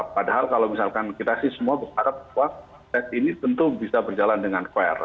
padahal kalau misalkan kita sih semua berharap bahwa tes ini tentu bisa berjalan dengan fair